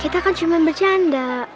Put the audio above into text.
kita kan cuma bercanda